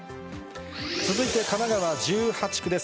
続いて神奈川１８区です。